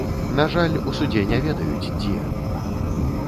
На жаль, у судзе не ведаюць, дзе.